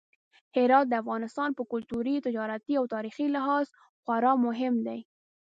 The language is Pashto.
هرات د افغانستان په کلتوري، تجارتي او تاریخي لحاظ خورا مهم دی.